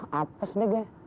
hah apes deh gai